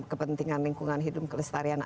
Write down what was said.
kepentingan lingkungan hidup kelestarian